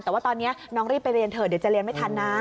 แต่ว่าตอนนี้น้องรีบไปเรียนเถอะเดี๋ยวจะเรียนไม่ทันนะ